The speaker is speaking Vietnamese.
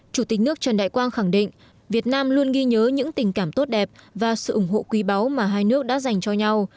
chủ tịch nước trần đại quang khẳng định việt nam luôn ghi nhớ những tình cảm tốt đẹp và sự ủng hộ quý báu mà hai nước đã dành cho nhau